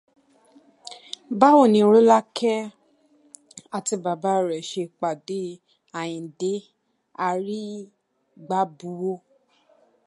Báwo ni Rọ́lákẹ́ àti bàbá rẹ̀ ṣe pàdé Àyìndé Arígbábuwó?